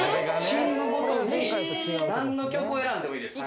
チームごとに何の曲を選んでもいいです